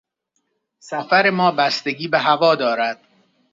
سفر ما بستگی به هوا دارد.